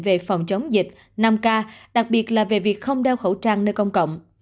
về phòng chống dịch năm k đặc biệt là về việc không đeo khẩu trang nơi công cộng